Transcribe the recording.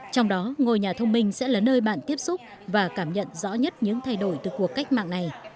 trong đó ngôi nhà thông minh sẽ là nơi bạn tiếp xúc và cảm nhận rõ nhất những thay đổi từ cuộc cách mạng này